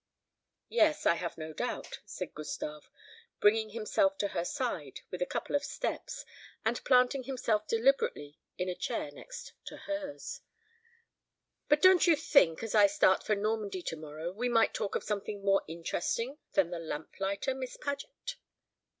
"Yes, I have no doubt," said Gustave, bringing himself to her side with a couple of steps, and planting himself deliberately in a chair next to hers; "but don't you think, as I start for Normandy to morrow, we might talk of something more interesting than the lamplighter, Miss Paget?"